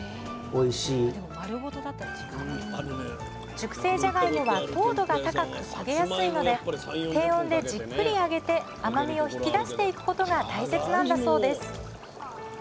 熟成じゃがいもは糖度が高く焦げやすいので低温でじっくり揚げて甘みを引き出していくことが大切なんだそうです